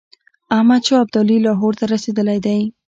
احمدشاه ابدالي لاهور ته رسېدلی دی.